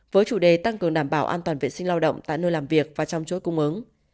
với chủ đề tăng cường đảm bảo an toàn vệ sinh lao động tại nơi làm việc và trong chuỗi cung ứng